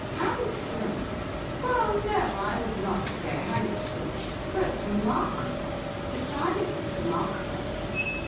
'Handsome ! Well, no, I would not say handsome, but ffemarkable — decidedly remarkable.